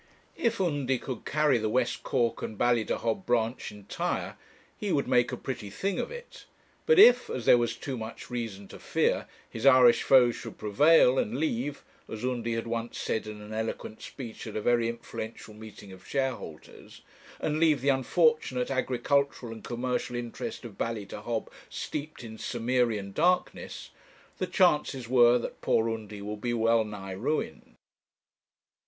If Undy could carry the West Cork and Ballydehob branch entire, he would make a pretty thing of it; but if, as there was too much reason to fear, his Irish foes should prevail, and leave as Undy had once said in an eloquent speech at a very influential meeting of shareholders and leave the unfortunate agricultural and commercial interest of Ballydehob steeped in Cimmerian darkness, the chances were that poor Undy would be well nigh ruined.